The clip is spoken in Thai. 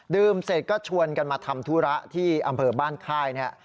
เสร็จก็ชวนกันมาทำธุระที่อำเภอบ้านค่ายเนี่ย